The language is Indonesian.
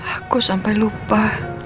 aku sampai lupa